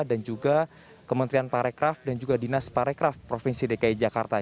dan juga kementerian parekraf dan juga dinas parekraf provinsi dki jakarta